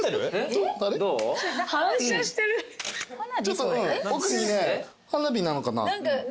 ちょっと奥にね花火なのかな。